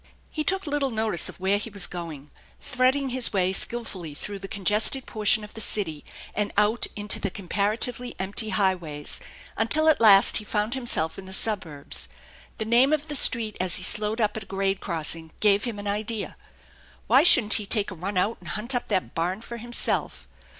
He took little notice of where he was going, threading his way skilfully through the congested portion of the city and out into the comparatively empty highways, until at last he found himself in the suburbs. The name of the street as he slowed up at a grade crossing gave him an idea. Why shouldn't he take a run out and hunt up that barn for himself